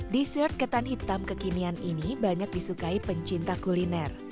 dessert ketan hitam kekinian ini banyak disukai pencinta kuliner